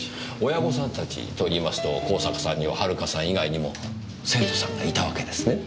親御さんたちといいますと香坂さんには遥さん以外にも生徒さんがいたわけですね？